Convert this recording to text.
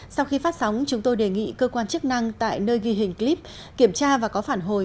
sau khi phát sóng chúng tôi đề nghị cơ quan chức năng tại nơi ghi hình clip kiểm tra và có phản hồi